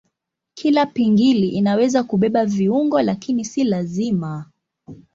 Kila pingili inaweza kubeba viungo lakini si lazima.